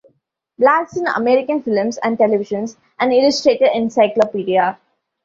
"Blacks in American Films and Television: An Illustrated Encyclopedia".